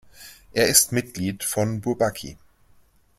Er ist Mitglied von Bourbaki.